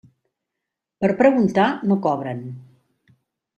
Per preguntar no cobren.